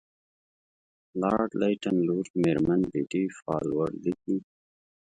لارډ لیټن لور میرمن بیټي بالفور لیکي.